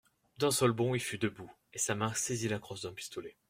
D'un seul bond il fut debout, et sa main saisit la crosse d'un pistolet.